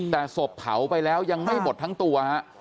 แต่ศพเผาไปแล้วยังไม่หมดทั้งตัวฮะ